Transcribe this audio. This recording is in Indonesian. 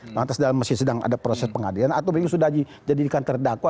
lantas dalam masih sedang ada proses pengadilan atau memang sudah dijadikan terdakwa